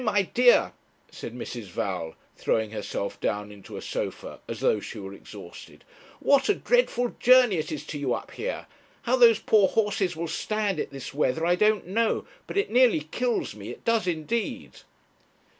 'Oh, my dear,' said Mrs. Val, throwing herself down into a sofa as though she were exhausted 'what a dreadful journey it is to you up here! How those poor horses will stand it this weather I don't know, but it nearly kills me; it does indeed.'